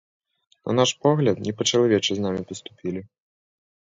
На наш погляд, не па-чалавечы з намі паступілі.